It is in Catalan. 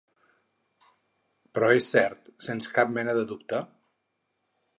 Però és cert, sens cap mena de dubte?